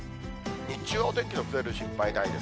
日中はお天気崩れる心配ないです。